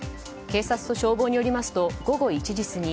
警察と消防によりますと午後１時過ぎ